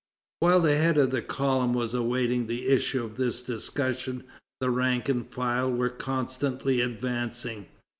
While the head of the column was awaiting the issue of this discussion, the rank and file were constantly advancing.